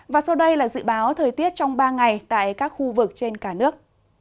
và sau đây là dự báo thời tiết trong ba ngày tại các khu vực trên cả nước